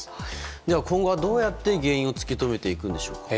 では、今後はどうやって原因を突き止めていくんでしょうか。